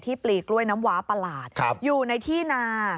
ปลีกล้วยน้ำว้าประหลาดอยู่ในที่นา